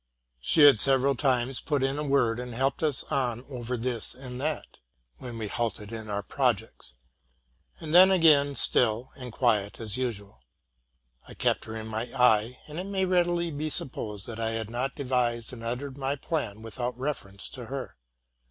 She had several times put in a word, and helped us on oyer this and that, when we 144 TRUTH AND FICTION halted in our projects, and then was again still and quiet as usual. I kept her in my eye, and it may readily be sup posed that I had not devised and uttered my plan without reference to her.